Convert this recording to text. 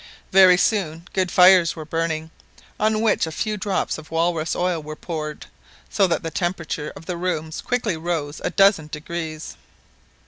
Very soon good fires were burning, on which a few drops of walrus oil were poured, so that the temperature of the rooms quickly rose a dozen degrees.